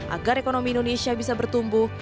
agar ekonomi indonesia bisa bertumbuh